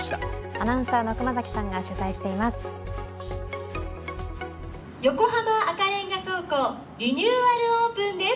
アナウンサーの熊崎さんが取材しています。